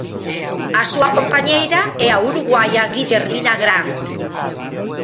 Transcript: A súa compañeira é a uruguaia Guillermina Grant.